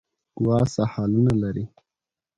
ګوا ساحلونه لري.